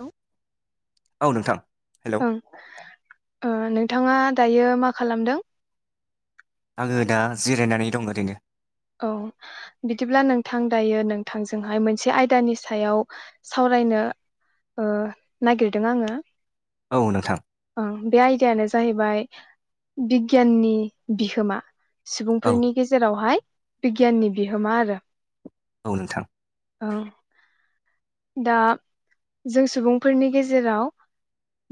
औ औ नोंथां। हेलौ ओं ओ नों नोंथांङा दायो मा खालामदों? आंङो दा जिरायनानै दं ओरैनो। औ बिदिब्ला नोंथां दायो नोंथांजोंहाय मोनसे आयदानि सायाव सावरायनो ओ नागिरदों आंङो। औ नोंथां। ओ बे आयदायानो जाहैबाय बिगियाननि बिहोमा। औ सुबुंफोरनि गेजेरावहाय बिगियाननि बिहोमा आरो औ नोंथां। औ दा जों सुबुंफोरनि गेजेराव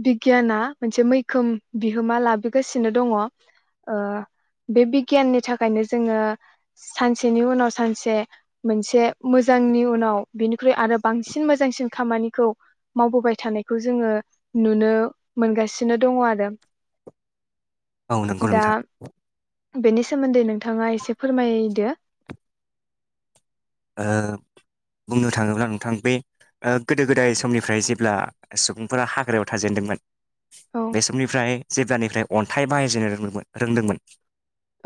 बिगियाना मोनसे मैखोम बिहोमा लाबोगासिनो दङ ओ बे बिगियाननि थाखायनो जोंङो सानसेनि उनाव सानसे मोनसे मोजांनि उनाव बिनिख्रुइ आरो बांसिन मोजांसिन खामानिखौ मावबोबाय थानायखौ जोंङो नुनो मोनगासिनो दङ आरो। औ नंगौ दा नोंथां। बेनि सोमोनदै नो थाङा एसे फोरमायदो। ओ बुंनो थाङोब्ला नोंथां बे गोदो गोदाय समनिफ्राय जेब्ला सुबुंफोरा हाग्रायाव थाजेनदोंमोन। औ बे समनिफ्राय जेब्लानिफ्राय अन्थाइ बाहायजेननो रोंदोंमोन रोंदोंमोन।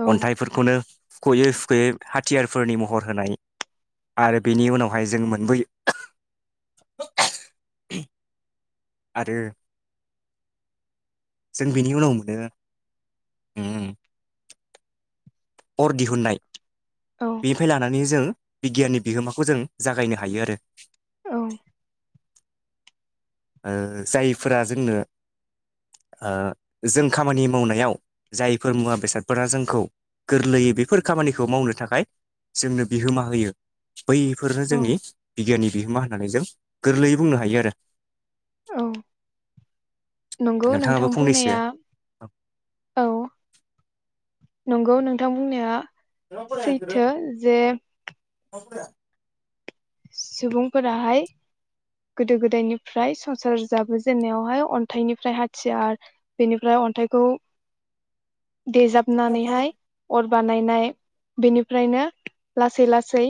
औ अन्थाइफोरखौनो फुखयै फुखयै हाथियारफोरनि महर होनाय आरो बेनि उनावहाय जों मोनबोयो। आरो जों बेनि उनाव मोनो उम्म अर दिहुननाय औ बेनिफ्राय लानानै जों बिगियाननि बिहोमाखौ जों जागायनो हायो आरो। औ ओ जायफोरा जोंनो ओ जों खामानि मावनायाव जायफोर मुवा बेसादफोरा जोंखौ गोरलैयै बेफोर खामानिखौ मावनो थाखाय जोंनो बिहोमा होयो। बैफोरनो औ जोंनि बिगियाननि बिहोमा होन होननानै जों गोरलैयै बुंनो हायो आरो। औ नंगौ नोंथां नोंथाङाबो फंनैसो बुंनाया औ। नंगौ नोंथां बुंनाया सैथो जे [unintelligible] सुबुंफोराहाय गोदो गोदायनिफ्राय संसार जाबोजेननायावहाय अन्थाइनिफ्राय हाथियार बेनिफ्राय अन्थाइखौ देजाबनानैहाय अर बानायनाय बेनिफ्रायनो लासै लासै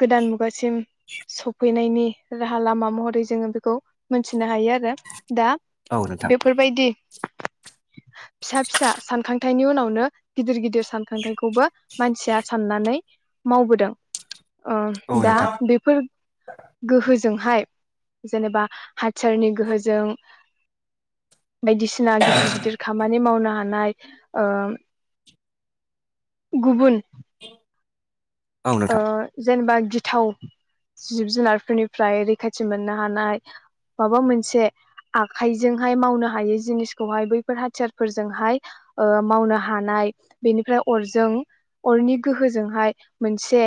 गोदान मुगासिम सफैनायनि राहा लामा महरै जोङो बेखौ मोनथिनो हायो आरो दा औ नोंथां बेफोरबायदि फिसा फिसा सानखांथायाइनि उनावनो गिदिर गिदिर सानखांथायइखौबो मानसिया साननानै मावबोदों। ओ औ दा नोंथां बेफोर गोहो जोंहाय जेनेबा हा टिचारनि गोहोजों बायदिसिना गिदिर गिदिर खामानि मावना मानाय ओ गुबुन [inaudible] ओ नोंथां जेनेबा गिथाव जिब जुनारफोरनिफ्राय रैखाथि मोननो हानाय, माबा मोनसे आखाइजोंहाय मावनो हायै जिनिसखौहाय बैफोर हाथियारफोरजोंहाय ओ मावनो हानाय, बेनिफ्राय अरजों अरनि गोहोजोंहाय मोनसे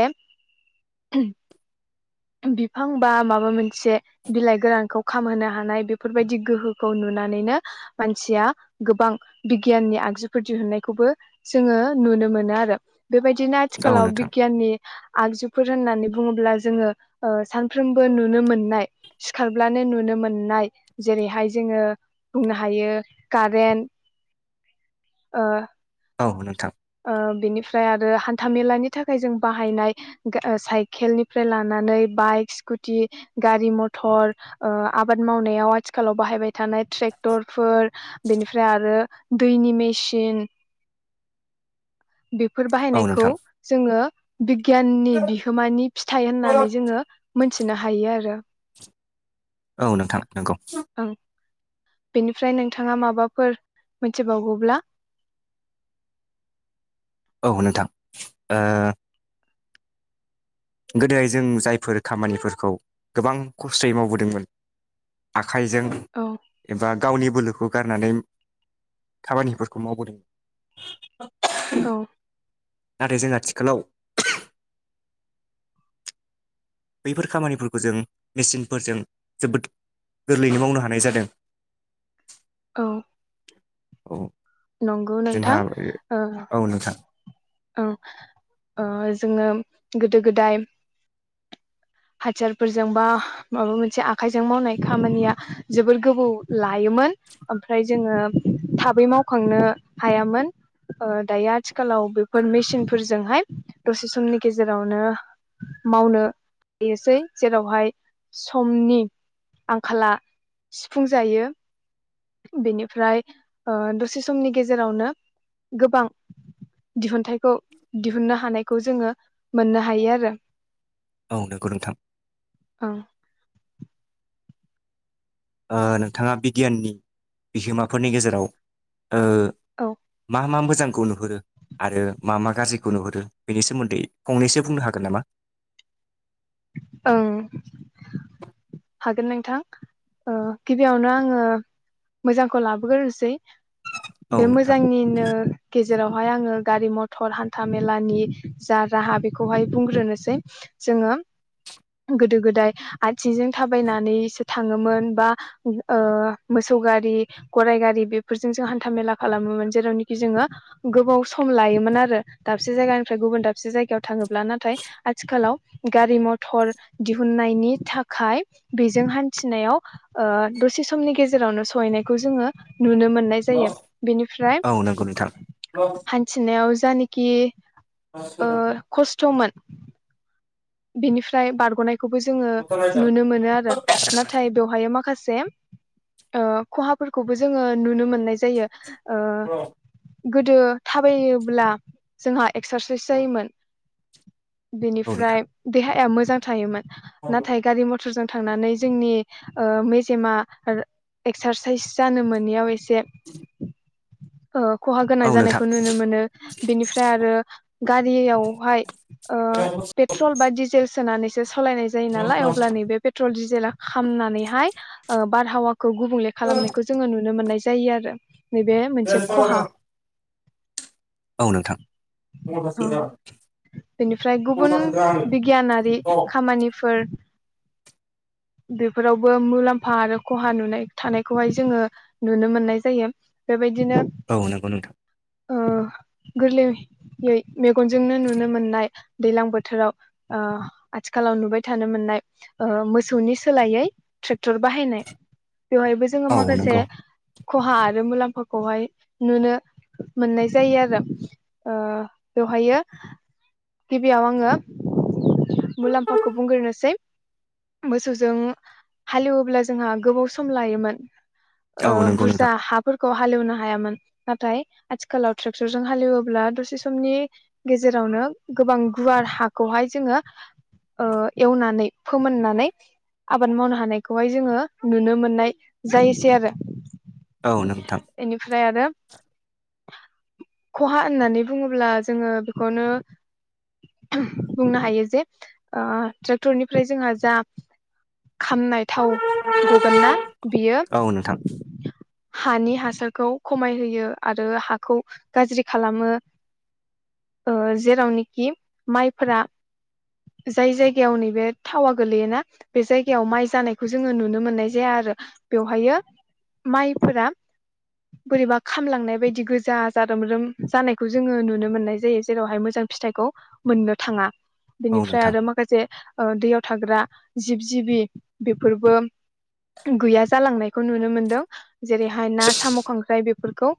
बिफां बा माबा मोनसे बिलाइ गोरानखौ खामहोनो हानाय बेफोरबायदि गोहोखौ नुनानैनो मानसिया गोबां बिगियाननि आगजुफोर दिहुननायखौबो जोङो नुनो मोनो आरो। बेबायदिनो औ आथिखालाव नोंथां बिगियाननि आगजुफोर होननानै बुङोब्ला जोङो ओ सानफ्रोमबो नुनो मोननाय सिखारब्लानो नुनो मोननाय जेरैहाय जोङो बुंनो हायो कारेन्ट ओ औ नोंथां। ओ बिनिफ्राय आरो हान्थामेलानि थाखाय जों बाहायनाय साइकेलनिफ्राय लानानै बाइक स्कुटि गारि मथर आबाद ओ मावनायाव आथिखालाव बाहायबाय थानाय ट्रेक्टरफोर बेनिफ्राय आरो दैनि मेसिन बेफोर औ बाहायनायखौ नोंथां जोङो बिगियाननि बिहोमानि फिथाइ होननानै जोङो मोन मिथिनो हायो आरो। औ नोंथां नंगौ। ओं बेनिफ्राय नोंथाङा माबाफोर मिथिबावोब्ला। औ नोंथां ओ गोदो जों जायफोर खामानिफोरखौ गोबां खस्थ'यै मावबोदोंमोन आखाइजों औ एबा गावनि बोलो खौ गारनानै खामानिफोरखौ मावबोदों। औ। नाथाय जों आथिखालाव बैफोर खामानिफोरखौ जों मेचिनफोरजों जोबोद गोरलैयैनो मावनो हानाय जादों। औ। औ। नंगौ जोंहा नोंथां ओ औ नोंथां ओं ओ जोङो गोदो गोदाय [unintelligible] फोरजों बा माबा मोनसे आखायजों मावनाय खामानिया जोबोर गोबौ लायोमोन आमफ्राय जोङो थाबै मावखांनो हायामोन ओ दायो आथिखालाव बे फोर मेचिनफोरजोंहाय दसे समनि गेजेरावनो मावनो हायोसै जेरावहाय समनि आंखाला सिफुं जायो। बेनिफ्राय ओ दसे समनि गेजेरावनो गोबां दिहुनथाइखौ दिहुननो हानायखौ जोङो मोननो हायो आरो। औ नोंगौ नोंथां। ओं ओ नोंथाङा बिगियाननि बिहोमाफोरनि गेजेराव ओ औ। मा मा मोजांखौ नुहुरो आरो मा मा गाज्रिखौ नुहुरो बेनि सोमोन्दै फंनैसो बुंनो हागोन नामा? ओं हागोन नोंथां ओ गिबियावनो आङो मोजांखौ लाबोगोरसै। औ बे नोंथां मोजांनिनो गेज जेरावहाय आङो गारि मथर हान्था मेलानि जा राहा बेखौहाय बुंग्रोनोसै जोङो गोदो गोदाय आथिंजों थाबायनानैसो थाङोमोन बा ओ मोसौ गारि गराय गारि बेफोरजोंसो हान्थामेला खालामोमोन जेरावनाखि जोङो गोबाव सम लायोमोन आरो दाबसे जायगानिफ्राय गुबुन दाबसे जायगायाव थाङोब्ला नाथाय आथिखालाव गारि म थर दिहुननायनि थाखाय बेजों हान्थिनायाव ओ दसे समनि गेजेरावनो सहैनायखौ जोङो नुनो मोननाय जायो बेनिफ्राय औ नंगौ हान्थिनायाव जानोखि ओ नोंथां खस्थ'मोन बेनिफ्राय बारग'नाय खौबो जोङो नुनो मोनो आरो नाथाय बेवहाय मा खासे ओ खहाफोरखौबो जोङो नुनो मोननाय जायो। ओ औ गोदो थाबायोब्ला जोंहा एक्सारसाइस जायोमोन। नोंथां बेनिफ्राय देहाया मोजां थायोमोन। औ नाथाय गारि म थर जों थांनानै जोंनि ओ मेजेमा एक्सारसाइस जानो मोनैयाव ए से खहा गोनां नोंथां जानायखौ नुनो मोनो। बेनिफ्राय आरो गारियावहाय ओ पेट्र ट्रल बा डिजेल्स सोनानै सो सलायनाय जायो नालाय अब्ला नैबे प्रेट्रल, डि जेला खामनानैहाय ओ बारहावा खौ गुबुंले खालामनायखौ जोङो नुनो मोननाय जायो आरो नैबे मोनसे खहा औ नोंथां बेनिफ्राय गुबुन बिगियानारि खामानिफोर बेफोरावबो मुलाम्फा आरो खहा नुनाय थानायखौहाय जोङो नुनो मोननाय जायो बेबायदि औ नंगौ नोंथां गोरलैयै मेगनजोंनो नुनो मोननाय दैज्लां बोथोराव आथिखालाव नुबाय थानो मोननाय मोसौनि सोलायै ट्रेक्टर बाहायनाय बेवहायबो जोङो औ माखासे नंगौ खहा आरो मुलाम्फाखौहाय नुनो मोननाय जायो आरो आ बेवहायो गिबियाव आङो मुलाम्फाखौ बुंग्रोनोसै मोसौजों हालेवोब्ला जोंहा गोबाव सम लायोमोन औ ओ नंगौ बुरजा नोंथां हाफोरखौ खौ हालेवनो हायामोन नाथाय आथिखालाव ट्रेक्टरजों हालेवोबब्ला दसे समनि गेजेरावनो गोबां गुवार हा खौहाय जोङो एवनानै फोमोननानै आबाद मावनो हानायखौहाय जोङो नुनो मोननाय जायोसै आरो औ नोंथां बेनिफ्राय आरो खहा होननानै बुङोब्ला जोङो बेखौनो बुंनो हायो जे ट्रेक्टरनिफ्राय जोंहा जा खामनाय थाव गगोन ना बियो औ नोंथां हानि हासारखौ खमाय होयो आरो हाखौ गाज्रि खालामो ओ जेरावनोखि माइफोरा जाय जायगायाव नैबे थावा गोल्लैयोना बे जायगायाव माइ जानायखौ जोङो नुनो मोननाय जाया आरो बेवहायो माइफोरा बोरैबा खामलांनाय बायदि गोजा जारोमरोम जानायखौ जोङो नुनो मोननाय जायो जेरावहाय मोजां फिथाइखौ मोननो थाङा औ बिनिफ्राय नोंथां आरो माखासे दैयाव थाग्रा जिब जिबि बेफोरबो गैया जालांनायखौ नुनो मोनदों जेरैहाय ना साम' खांख्राय बे फोरखौ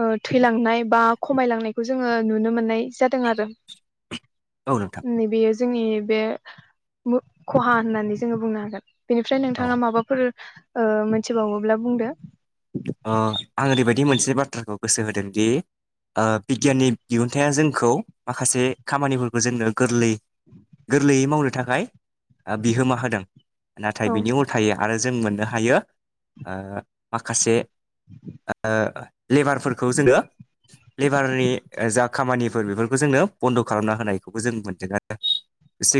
ओ थैलांनाय बा खमायलांनायखौ जोङो नुनो मोननाय जादों आरो औ नोंथां औ नै बेयो जोंनि बे [unintelligible] खहा होननानै जोङो बुंनो हागोन बेनिफ्राय ओ नोंथाङा माबाफोर ओ मिथिबावोब्ला बुंदो दि मोनसे बाथ्राखौ गोसो होदोंदि बिगियाननि दिहुनन्थाइा जोंखौ माखासे खामानिफोरखौ जोंनो गोरलै गोरलैयै मावनो थाखाय बिहोमा होदों नाथाय औ बिनि उल्टायै आरो जों मोन हायो ओ माखासे ओ लेबारफोरखौ जोङो लेबारनि जा खामानि बेफोरखौ जोंनो बन्द' खालामना होनायखौबो जों मोनदों आरो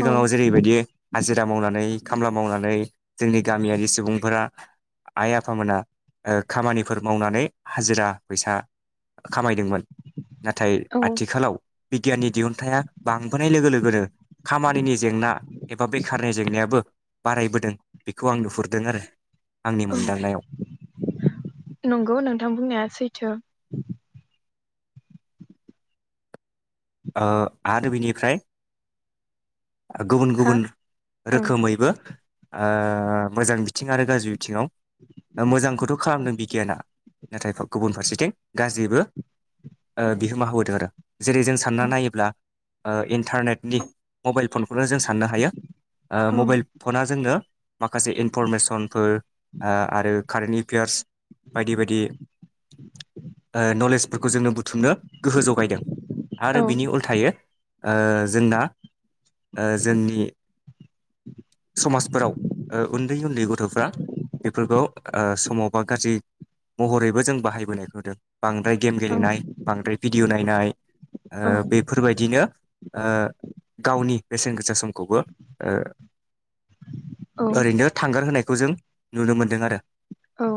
औ जेरैबायदि हाजिरा मावनानै खामला मावनानै जोंनि गामियारि सुबुंफोरा आइ आफामोना ओ खामानिफोर मावनानै हाजिरा फैसा खामायदोंमोन नाथाय औ आथिखालाव बिगियाननि दिहुनथायाइा बांबोनाय लोगो लोगोनो खामानिनि जेंना एबा बेखारनि जेंनायाबो बारायबोदों बेखौ आं नुहुरदों आरो आंनि औ मोनदांनायाव नंगौ नोंथां बुंनाया सैथो ओ आद बिनिफ्राय गुबुन हा गुबुन ओं रोखोमैबो ओ मोजां बिथिं आरो गाज्रि बिथिङाव मोजांखौथ खालामदों बिगियाना नाथाय गुबुन फारसेथिं गाज्रिबो ओ बिहोमा होबोदों आरो जेरै सानना औ नायोब्ला ओ इन्टारनेटनि मबाइल फनखौनो जों साननो हायो ओ औ मबाइल फना जोंनो माखासे इनफरमेसनफोर आ आरो कारेन्ट एफेयार्स बायदि बायदि ओ नलेजफोरखौ जोंङो बुथुमनो गोहो जगायदों आरो औ बिनि उल्थायो ओ जोंना ओ जोंनि समाजफोराव ओ उन्दै उन्दै गथ थफ्रा बेफोरखौ ओ समाव बा गाज्रि महरैबो जों बाहायबोनायखौ होदों बांद्राय गेम औ गेलेनाय बांद्राय भिडिअ नायनाय ओ औ बेफोरबायदिनो ओ गावनि बेसेन गोसा समखौबो ओ औ ओरैनो थांगार होनायखौ जों नुनो मोनदों आरो औ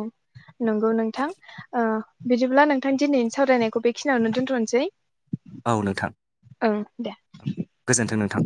नोंगौ नोंथां ओ बिदिब्ला नोंथांनि दिनैनि सावरायनायखौ बेखिनियावनो दोनथनोसै औ नोंथां ओं दे औ गोजोनथों नोंथां